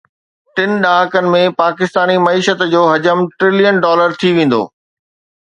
ٽن ڏهاڪن ۾ پاڪستاني معيشت جو حجم ٽريلين ڊالر ٿي ويندو